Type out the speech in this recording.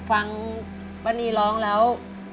ฟังป้านีร้องแล้ว